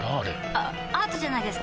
あアートじゃないですか？